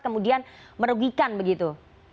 kemudian merugikan begitu